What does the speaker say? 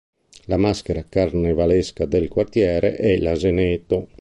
La maschera carnevalesca del quartiere è "L'Aseneto".